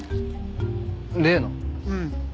うん。